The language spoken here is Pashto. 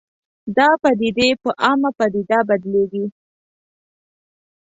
دا پدیدې په عامه پدیده بدلېږي